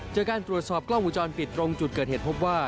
จากการตรวจสอบกล้องวงจรปิดตรงจุดเกิดเหตุพบว่า